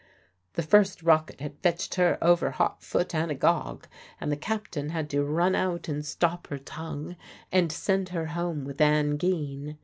The first rocket had fetched her over hot foot and agog, and the captain had to run out and stop her tongue, and send her home with Ann Geen.